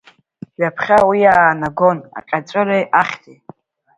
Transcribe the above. Ҩаԥхьа уи иаанагон аҟьаҵәыреи ахьҭеи.